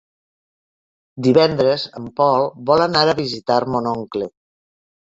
Divendres en Pol vol anar a visitar mon oncle.